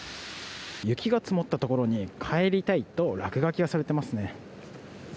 雪が積もったところに帰りたいと落書きがされていますね。